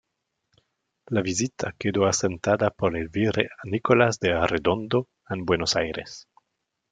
La visita quedó asentada por el Virrey Nicolás de Arredondo en Buenos Aires.